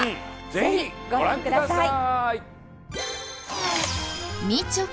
ぜひご覧ください！